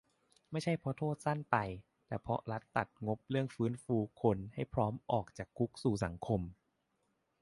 ไม่ใช่เพราะโทษสั้นไป แต่เพราะรัฐตัดงบเรื่องฟื้นฟูคนให้พร้อมออกจากคุกสู่สังคม